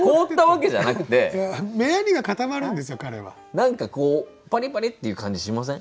何かこうパリパリっていう感じしません？